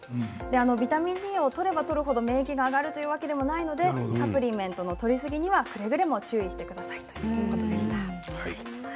ビタミンＤをとればとるほど免疫が上がるわけではないのでサプリメントのとりすぎには注意してくださいということでした。